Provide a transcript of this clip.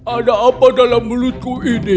ada apa dalam mulutku ini